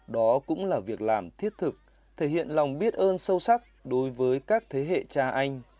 đó cũng là việc làm thiết thực thể hiện lòng biết ơn sâu sắc đối với các thế hệ cha anh